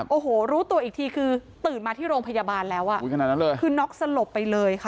โอ้โหรู้ตัวอีกทีคือตื่นมาที่โรงพยาบาลแล้วอะคือน้องสลบไปเลยค่ะ